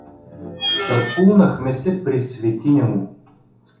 Втъркулнахме се при светиня му.